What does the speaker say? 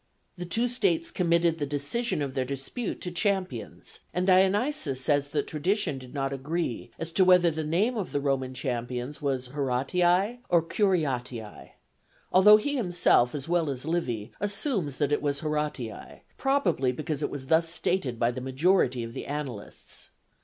The two states committed the decision of their dispute to champions, and Dionysius says that tradition did not agree as to whether the name of the Roman champions was Horatii or Curiatii, although he himself, as well as Livy, assumes that it was Horatii, probably because it was thus stated by the majority of the annalists.